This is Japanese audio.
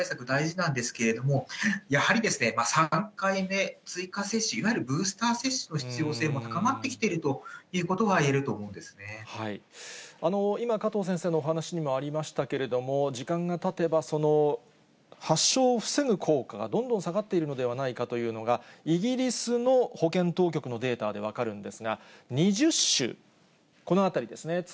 大事なんですけれども、やはり３回目、追加接種、いわゆるブースター接種の必要性も高まってきているということは今、加藤先生のお話にもありましたけれども、時間がたてば、発症を防ぐ効果がどんどん下がっているのではないかというのが、イギリスの保健当局のデータで分かるんですが、２０週、このあたりですね。